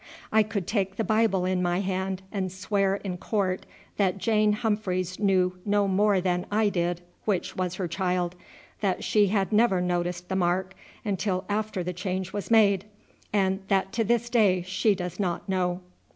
I could take the Bible in my hand and swear in court that Jane Humphreys knew no more than I did which was her child, that she had never noticed the mark until after the change was made, and that to this day she does not know.